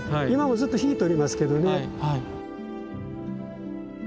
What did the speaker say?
今もうずっと引いとりますけどね。